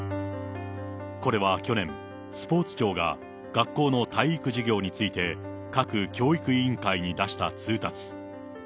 これは去年、スポーツ庁が学校の体育授業について、各教育委員会に出した通達。